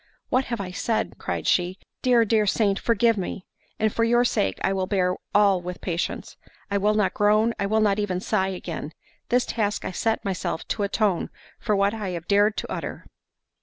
"What have I said?" cried she; "Dear, dear saint, forgive me; and for your sake I will bear all with patience—I will not groan, I will not even sigh again—this task I set myself to atone for what I have dared to utter."